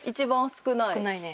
少ないね。